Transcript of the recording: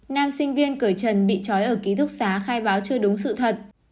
nam sinh viên cởi trần bị trói ở ký thúc xá khai báo chưa đúng sự thật